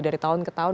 dari tahun ke tahun